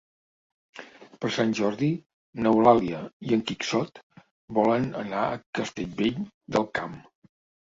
Per Sant Jordi n'Eulàlia i en Quixot volen anar a Castellvell del Camp.